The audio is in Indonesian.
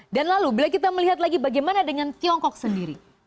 dan lalu bila kita melihat lagi bagaimana dengan tiongkok sendiri